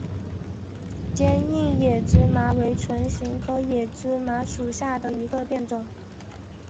坚硬野芝麻为唇形科野芝麻属下的一个变种。